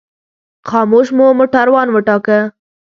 خاموش مو موټروان وټاکه.